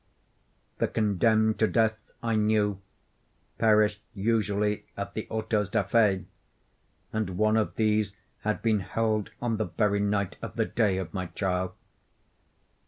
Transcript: The condemned to death, I knew, perished usually at the autos da fe, and one of these had been held on the very night of the day of my trial.